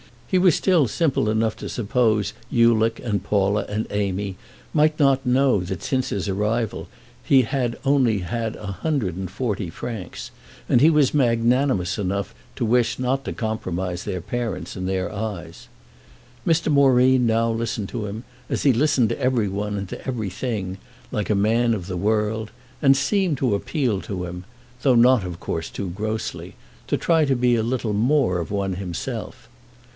He was still simple enough to suppose Ulick and Paula and Amy might not know that since his arrival he had only had a hundred and forty francs; and he was magnanimous enough to wish not to compromise their parents in their eyes. Mr. Moreen now listened to him, as he listened to every one and to every thing, like a man of the world, and seemed to appeal to him—though not of course too grossly—to try and be a little more of one himself.